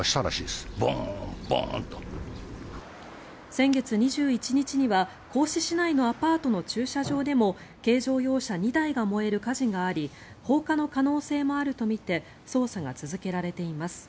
先月２１日には合志市内のアパートの駐車場にも軽乗用車２台が燃える火事があり放火の可能性もあるとみて捜査が続けられています。